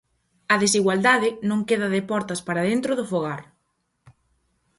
A desigualdade non queda de portas para dentro do fogar.